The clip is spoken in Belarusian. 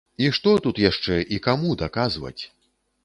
І што тут яшчэ і каму даказваць?